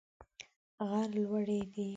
غره لوړي دي.